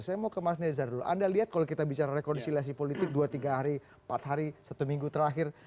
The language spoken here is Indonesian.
saya mau ke mas nezar dulu anda lihat kalau kita bicara rekonsiliasi politik dua tiga hari empat hari satu minggu terakhir